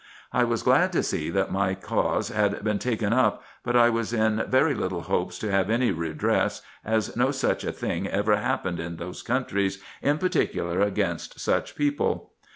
I was glad to see that my cause had been taken up, but I was in very little hopes to have any redress, as no such a thing ever happened in those countries, in particular against such people.